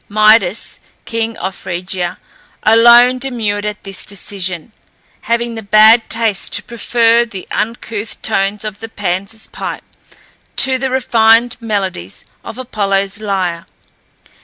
Midas, king of Phrygia, alone demurred at this decision, having the bad taste to prefer the uncouth tones of the Pan's pipe to the refined melodies of Apollo's lyre.